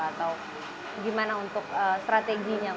atau gimana untuk strateginya